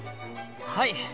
はい。